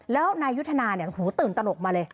แล้วนายยุทธนาเนี่ยหูตื่นตนกมาเลย